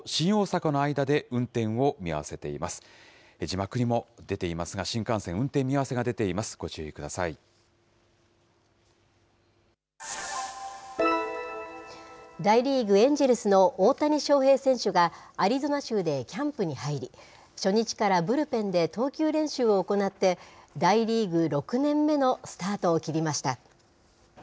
大リーグ・エンジェルスの大谷翔平選手が、アリゾナ州でキャンプに入り、初日からブルペンで投球練習を行って、大リーグ６年目のスタートを切りました。